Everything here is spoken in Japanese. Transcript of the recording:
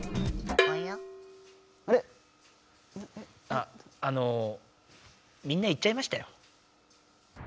ああのみんな行っちゃいましたよ。